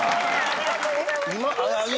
ありがとうございます。